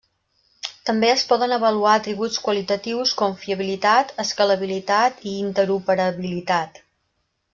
També es poden avaluar atributs qualitatius com fiabilitat, escalabilitat i interoperabilitat.